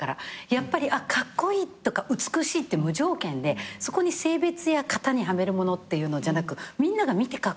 やっぱりカッコイイとか美しいって無条件でそこに性別や型にはめるものっていうのじゃなくみんなが見てカッコイイって感動できる。